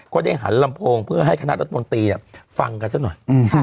ก็ได้หันลำโพงเพื่อให้คณะรัฐมนตรีฟังกันซะหน่อย